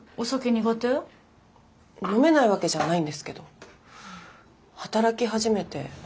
飲めないわけじゃないんですけど働き始めてすぐの頃。